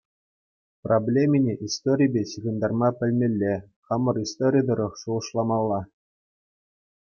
Проблемине историпе ҫыхӑнтарма пӗлмелле, хамӑр истори тӑрӑх шухӑшламалла.